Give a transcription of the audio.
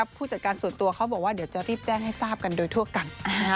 ผู้จัดการส่วนตัวเขาบอกว่าเดี๋ยวจะรีบแจ้งให้ทราบกันโดยทั่วกัน